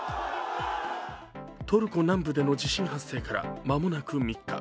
トルコ南部での地震発生から間もなく３日。